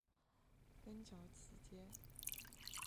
芬乔奇街。